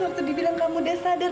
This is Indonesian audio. waktu dibilang kamu udah sadar